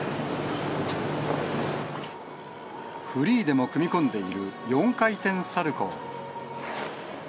フリーでも組み込んでいる４回転サルコー。